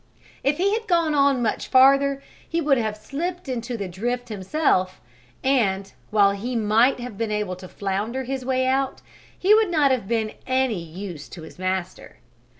If he had gone on much farther he would have slipped into the drift himself, and, while he might have been able to flounder his way out, he would not have been of any use to his master.